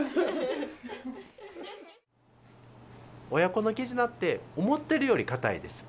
親子の絆って、思ってるより固いです。